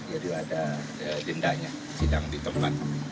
yaitu ada dendanya sedang ditempat